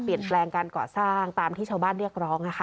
เปลี่ยนแปลงการก่อสร้างตามที่ชาวบ้านเรียกร้อง